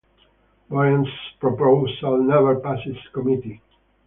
Boren's proposal never passed committee.